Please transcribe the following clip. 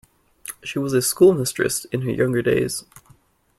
She was a schoolmistress in her younger days.